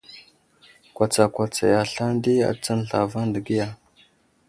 Kwatsakwatsaya aslane di atsən zlavaŋ degiya.